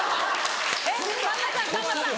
えっさんまさんさんまさん